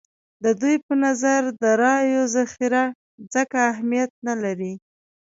د دوی په نظر د رایو ذخیرې ځکه اهمیت نه لري.